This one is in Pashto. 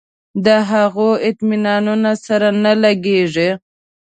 د هغو اطمینانونو سره نه لګېږي.